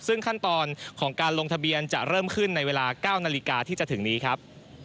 ซึ่งขั้นตอนของการลงทะเบียนจะเริ่มขึ้นในเวลา๙นาฬิกาที่จะถึงนี้ครับ